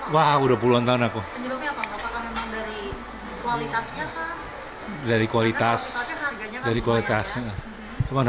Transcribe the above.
wah udah puluhan tahun aku dari kualitas dari kualitas dari kualitas